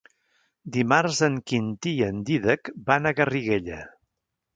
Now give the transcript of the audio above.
Dimarts en Quintí i en Dídac van a Garriguella.